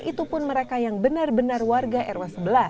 itu pun mereka yang benar benar warga rw sebelas